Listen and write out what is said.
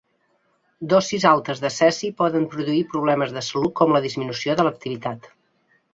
Dosis altes de cesi poden produir problemes de salut com la disminució de l'activitat.